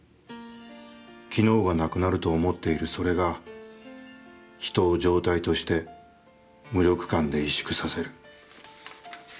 昨日がなくなると思っているそれが人を常態として無力感で委縮させる。